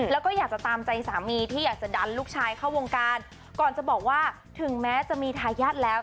แล้วก็อยากจะตามใจสามีที่อยากจะดันลูกชายเข้าวงการก่อนจะบอกว่าถึงแม้จะมีทายาทแล้ว